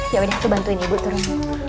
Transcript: ya udah aku bantuin ibu turun